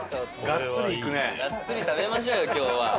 ガッツリ食べましょうよ今日は。